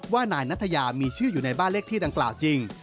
ว่านายนัทยามีชื่ออยู่ในบ้านเลขที่ดังกล่าวจริง